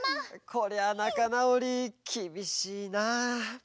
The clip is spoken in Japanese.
こりゃなかなおりきびしいなあ。